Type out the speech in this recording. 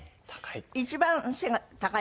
一番背が高い？